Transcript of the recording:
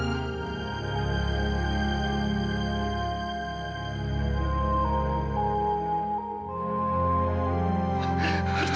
sudahlah rah sudah